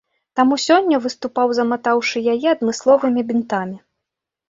Таму сёння выступаў заматаўшы яе адмысловымі бінтамі.